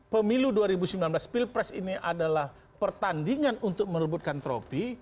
pemilu dua ribu sembilan belas pilpres ini adalah pertandingan untuk merebutkan tropi